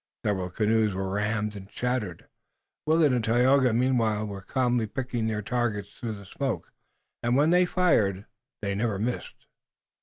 Several canoes were rammed and shattered. Willet and Tayoga meanwhile were calmly picking their targets through the smoke, and when they fired they never missed.